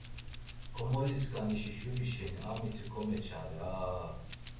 Komoliskanişi şuri şeni a miti komeçare aaa…